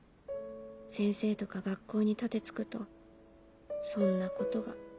先生とか学校に盾突くと損なことが。